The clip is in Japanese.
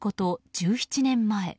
１７年前。